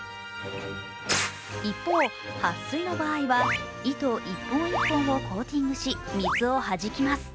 一方、はっ水の場合は糸本１本をコーティングし、水をはじきます。